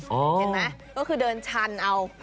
เห็นไหมก็คือเดินชันเอา